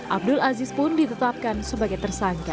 abdul aziz pun ditetapkan sebagai tersangka